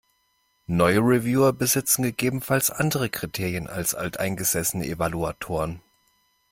Neue Reviewer besitzen gegebenenfalls andere Kriterien als alteingesessene Evaluatoren.